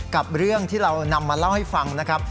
กับเรื่องที่เรานำมาเล่าให้ฟังนะครับ